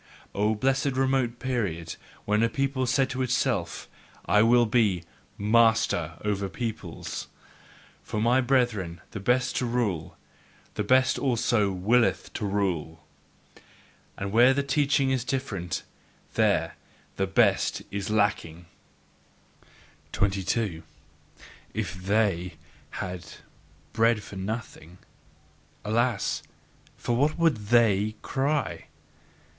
O blessed remote period when a people said to itself: "I will be MASTER over peoples!" For, my brethren, the best shall rule, the best also WILLETH to rule! And where the teaching is different, there the best is LACKING. 22. If THEY had bread for nothing, alas! for what would THEY cry!